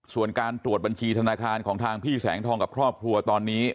ส่วนการตรวจบัญชีธนาคารของทางพี่แสงทองกับครอบครัวตอนนี้